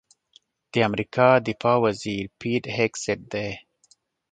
د امریکا دفاع وزیر پیټ هېګسیت دی.